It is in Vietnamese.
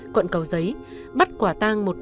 quận cầu dân hà nội